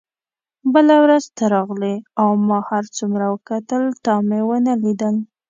بله ورځ ته راغلې او ما هر څومره وکتل تا مې ونه لیدل.